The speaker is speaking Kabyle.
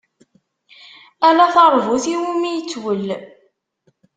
Ala taṛbut iwumi itwel.